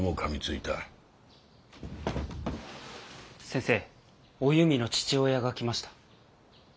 先生おゆみの父親が来ました。